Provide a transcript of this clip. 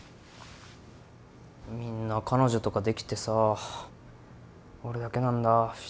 みんな彼女とかできてさ俺だけなんだ一人なの。